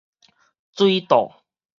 水倒